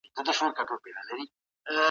تعلیماتو سره په تضاد کي دی، د بېلګي په توګه د